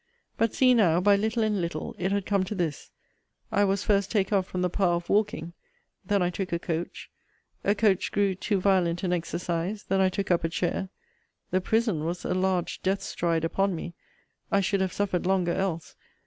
But see now by little and little it had come to this. I was first take off from the power of walking; then I took a coach a coach grew too violent an exercise: then I took up a chair the prison was a large DEATH STRIDE upon me I should have suffered longer else!